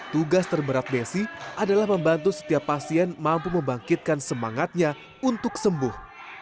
tugas terberat desi adalah membantu setiap pasien mampu membangkitkan semangatnya untuk sembuh